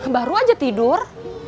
baru aja tidur